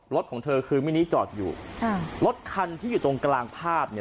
รถของเธอคือมินิจอดอยู่ค่ะรถคันที่อยู่ตรงกลางภาพเนี่ย